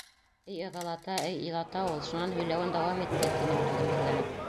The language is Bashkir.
Эй ыҙалата, эй илата ул. Шунан һөйләүен дауам итте. — тинем, түҙемһеҙләнеп.